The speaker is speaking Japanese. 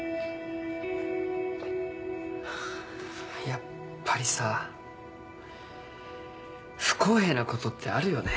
やっぱりさ不公平なことってあるよね。